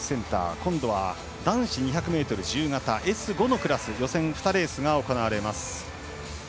今度は男子２００ｍ自由形Ｓ５のクラス予選２レースが行われます。